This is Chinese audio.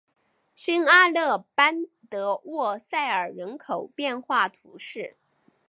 圣阿勒班德沃塞尔人口变化图示